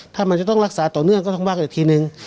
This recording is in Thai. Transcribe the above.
ถ้ามันจะต้องรักษาต่อเนื่องก็ต้องว่ากันอีกทีนึง